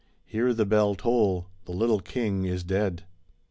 "Hear the beU toll— the little king is dead."